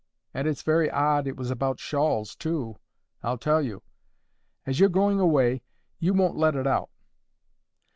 And it's very odd it was about shawls, too. I'll tell you. As you're going away, you won't let it out.